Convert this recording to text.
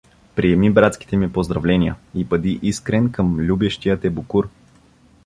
Приеми братските ми поздравления и бъди искрен към любещия те Букур.